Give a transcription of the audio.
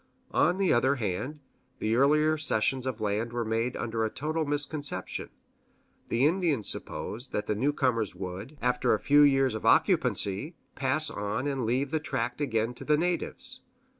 On the other hand, the earlier cessions of land were made under a total misconception; the Indians supposed that the new comers would, after a few years of occupancy, pass on and leave the tract again to the natives.